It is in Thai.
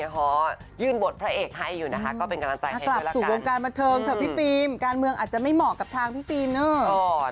ก็ร้อยเฮีย